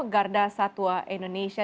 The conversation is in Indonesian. garda satwa indonesia